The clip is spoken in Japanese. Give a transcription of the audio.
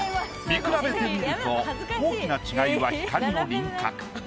見比べてみると大きな違いは光の輪郭。